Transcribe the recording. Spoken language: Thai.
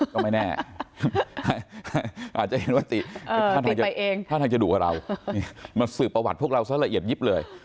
ก็ไม่แน่อาจจะเห็นว่าติท่าทางจะดุกว่าเรามาสืบประวัติพวกเราซะละเอียดยิบเลย